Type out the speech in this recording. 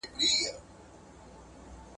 حضرت آدم ع د علم په برکت ممتاز سو.